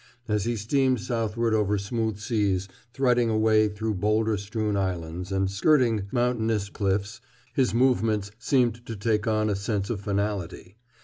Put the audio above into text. As he steamed southward over smooth seas, threading a way through boulder strewn islands and skirting mountainous cliffs, his movements seemed to take on a sense of finality.